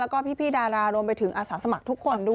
แล้วก็พี่ดารารวมไปถึงอาสาสมัครทุกคนด้วย